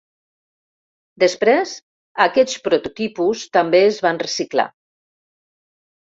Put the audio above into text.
Després, aquests prototipus també es van reciclar.